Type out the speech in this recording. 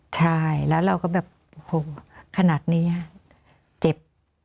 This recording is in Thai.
ใช่แล้วเราก็แบบโอ้โหขนาดนี้เจ็บ